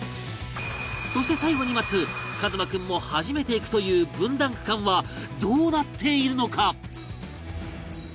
そして最後に待つ一翔君も初めて行くという分断区間はどうなっているのか？